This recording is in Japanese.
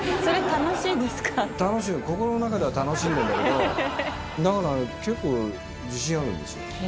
楽しいよ、心の中では楽しんでるんだけど、だから結構、自信あるんですよ。